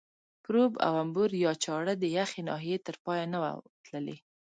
پروب او انبور یا چاړه د یخې ناحیې تر پایه نه وه تللې.